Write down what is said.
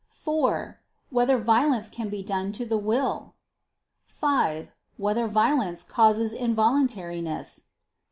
(4) Whether violence can be done to the will? (5) Whether violence causes involuntariness?